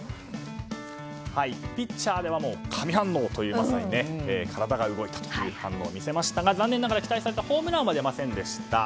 ピッチャーでは神反応という体が動いたという反応を見せましたが、残念ながら期待されたホームランは出ませんでした。